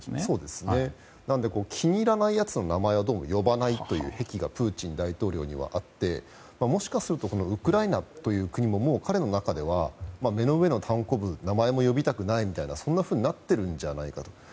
なので気に入らないやつの名前は呼ばないという癖がどうもプーチンにはあってもしかするとウクライナという国も彼の中では目の上のたんこぶ名前も呼びたくないそんなふうになっているんじゃないかと。